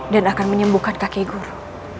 dan akan menyembuhkan kakek guru